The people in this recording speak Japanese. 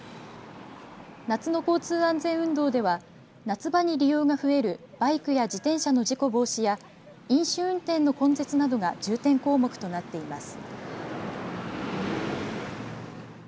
夏の交通安全運動では夏場に利用が増えるバイクや自転車の事故防止や飲酒運転の根絶などが重点項目となっています。